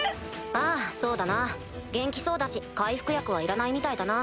ああそうだな元気そうだし回復薬はいらないみたいだな。